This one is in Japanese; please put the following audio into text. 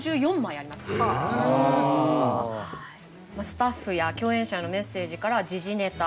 スタッフや共演者へのメッセージから時事ネタ